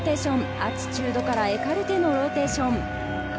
アティチュードからエカルテのローテーション。